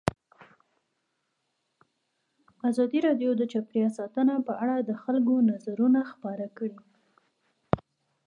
ازادي راډیو د چاپیریال ساتنه په اړه د خلکو نظرونه خپاره کړي.